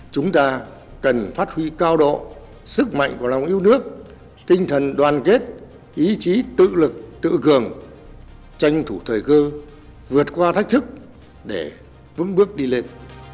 chúng ta cần phát huy cao độ sức mạnh của lòng yêu nước tinh thần đoàn kết ý chí tự lực tự cường tranh thủ thời cơ vượt qua thách thức để vững bước đi lên